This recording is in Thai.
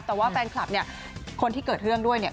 แต่ว่าแฟนคลับเนี่ยคนที่เกิดเรื่องด้วยเนี่ย